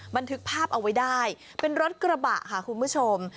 บันทึกภาพเอาไว้ได้เป็นรถกระบะค่ะคุณผู้ชม